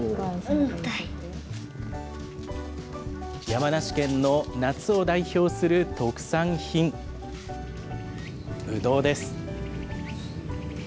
山梨県の夏を代表する特産品、ぶどうです。